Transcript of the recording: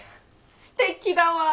すてきだわ。